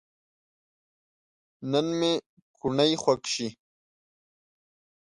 نن مې کوڼۍ خوږ شي